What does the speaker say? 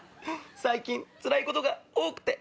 最近つらいことが多くて。